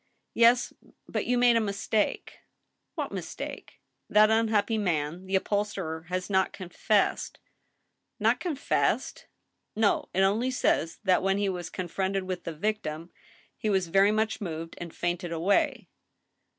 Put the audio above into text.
"Yes, but you made a mistake." "What mistake.^" That unhappy man, the upholsterer, has not confessed." *" Not confessed I "" No. It only says that when he was confronted with the victim he was very much moved and fainted away."